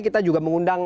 kita juga mengundang